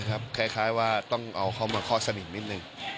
คล้ายว่าต้องเอาเข้ามาข้อสนิมนิดนึง